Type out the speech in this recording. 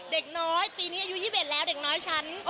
เด็กน้อยปีนี้อายุ๒๑แล้วเด็กน้อยชั้น